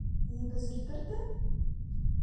Еибазырдырда?